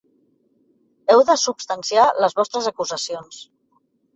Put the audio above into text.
Heu de substanciar les vostres acusacions.